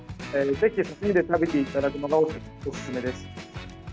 ぜひ刺身で食べていただくのがおすすめです。